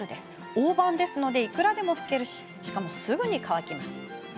大判ですでいくらでも拭けるししかも、すぐ乾きます。